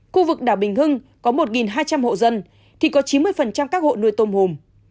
khu vực đảo bình hưng có một hai trăm linh hộ dân thì có chín mươi các hộ nuôi tôm hùm